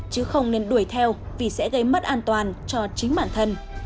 chứ không nên đuổi theo vì sẽ gây mất an toàn cho chính bản thân